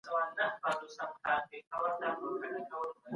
موږ ښه کوچنيان یو.